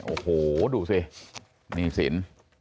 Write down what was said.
โอ้โหดูสิหนี้สิน